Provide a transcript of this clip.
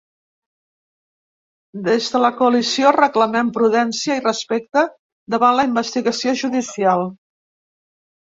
Des de la coalició reclamen prudència i respecte davant la investigació judicial.